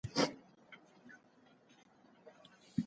زما اجازه سته، چي د علم زیاتولو لپاره کار وکړم.